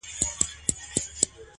لار سوه ورکه له سپاهیانو غلامانو!.